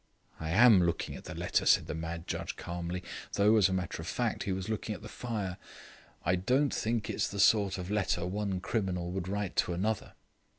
"I am looking at the letter," said the mad judge calmly; though, as a matter of fact, he was looking at the fire. "I don't think it's the sort of letter one criminal would write to another."